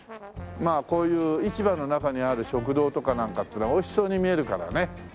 まあこういう市場の中にある食堂とかなんかっていうのはおいしそうに見えるからね。